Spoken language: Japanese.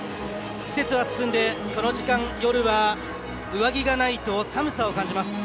季節は進んで、この時間夜は上着がないと寒さを感じます。